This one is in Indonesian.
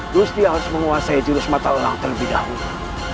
gusti harus menguasai jenis patah orang terlebih dahulu